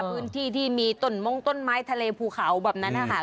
พื้นที่ที่มีต้นมงต้นไม้ทะเลภูเขาแบบนั้นนะคะ